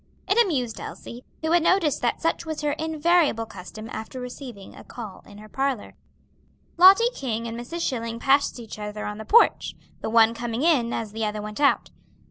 It amused Elsie, who had noticed that such was her invariable custom after receiving a call in her parlor. Lottie King and Mrs. Schilling passed each other on the porch, the one coming in as the other went out.